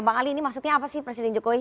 bang ali ini maksudnya apa sih presiden jokowi